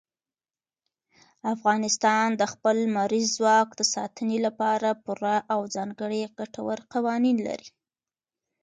افغانستان د خپل لمریز ځواک د ساتنې لپاره پوره او ځانګړي ګټور قوانین لري.